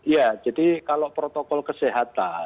ya jadi kalau protokol kesehatan